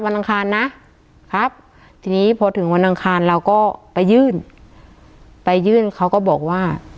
อังคารนะครับทีนี้พอถึงวันอังคารเราก็ไปยื่นไปยื่นเขาก็บอกว่า